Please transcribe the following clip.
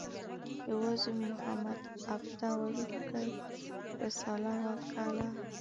یوازې محمد عبده وړکۍ رساله وکښله.